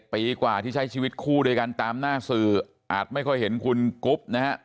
ปีกว่าที่ใช้ชีวิตคู่ด้วยกันตามหน้าสื่ออาจไม่ค่อยเห็นคุณกุ๊บนะฮะ